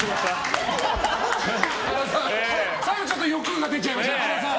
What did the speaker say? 最後ちょっと欲が出ちゃいましたね。